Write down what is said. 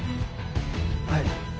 はい。